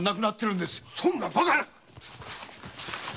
そんなバカな！？